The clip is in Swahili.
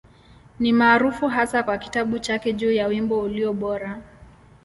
Ni maarufu hasa kwa kitabu chake juu ya Wimbo Ulio Bora.